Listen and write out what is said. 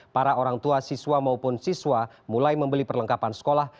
para orang tua siswa maupun siswa mulai membeli perlengkapan sekolah